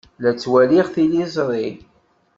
La ttwaliɣ tiliẓri.